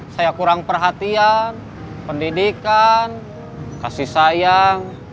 saya kurang perhatian pendidikan kasih sayang